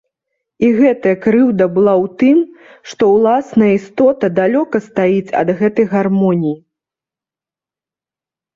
І гэтая крыўда была ў тым, што ўласная істота далёка стаіць ад гэтай гармоніі.